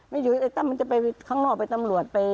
อยู่ไอ้ตั้มมันจะไปข้างนอกไปตำรวจไป